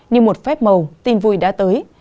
như một phép màu tin vui đã tới